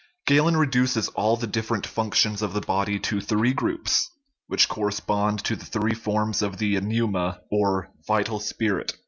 Galen reduces all the different functions of the body to three groups, which correspond to the three forms of the pneuma, or vital spirit.